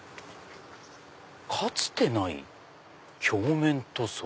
「かつてない鏡面塗装」。